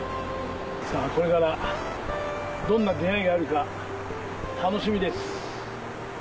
さぁこれからどんな出会いがあるか楽しみです。